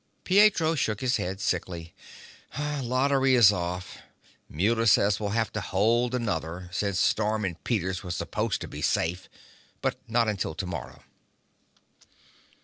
Pietro shook his head sickly. "Lottery is off. Muller says we'll have to hold another, since Storm and Peters were supposed to be safe. But not until tomorrow."